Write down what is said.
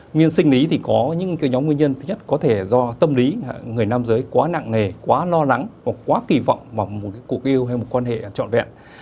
nguyên sinh lý thì có những nhóm nguyên nhân thứ nhất có thể do tâm lý người nam giới quá nặng nề quá lo lắng và quá kỳ vọng vào một cuộc yêu hay một quan hệ trọn vẹn